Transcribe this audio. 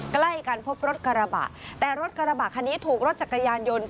ใกล้กันพบรถกระบะแต่รถกระบะคันนี้ถูกรถจักรยานยนต์